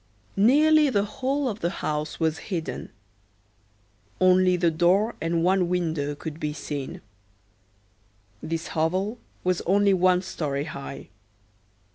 Nearly the whole of the house was hidden. Only the door and one window could be seen. This hovel was only one story high.